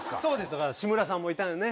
だから志村さんもいたんだよね。